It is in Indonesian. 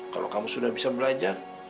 kalau kamu sudah bisa belajar